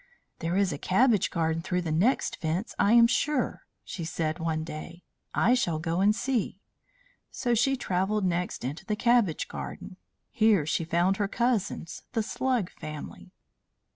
"There is a cabbage garden through that next fence, I am sure," she said one day. "I shall go and see." So she travelled next into the cabbage garden. Here she found her cousins, the Slug family.